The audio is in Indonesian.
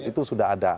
itu sudah ada